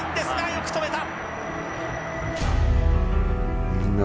よく止めた。